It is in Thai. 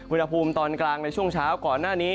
อุณหภูมิตอนกลางในช่วงเช้าก่อนหน้านี้